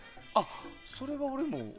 それは俺も。